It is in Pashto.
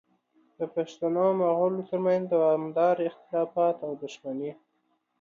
د پښتنو او مغولو ترمنځ دوامداره اختلافات او دښمنۍ